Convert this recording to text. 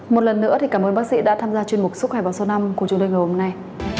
một lần nữa thì cảm ơn bác sĩ đã tham gia chuyên mục súc khỏe vào số năm của chương trình hôm nay